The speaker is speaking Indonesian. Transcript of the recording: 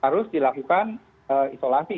harus dilakukan isolasi